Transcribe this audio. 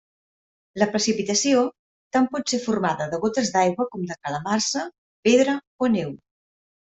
La precipitació tant pot ser formada de gotes d’aigua com de calamarsa, pedra o neu.